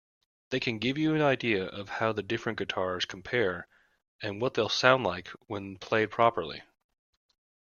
They can give you an idea of how the different guitars compare and what they'll sound like when played properly.